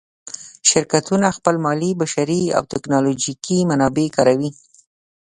شرکتونه خپل مالي، بشري او تکنالوجیکي منابع کاروي.